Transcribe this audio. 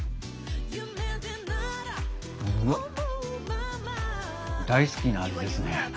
うわっ大好きな味ですね。